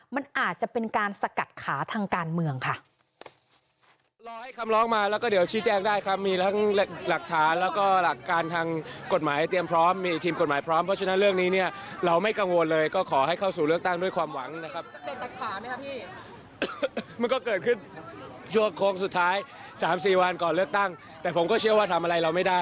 มันอาจจะเป็นการสกัดขาทางการเมืองค่ะ